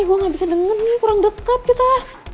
gue gak bisa denger nih kurang dekat kita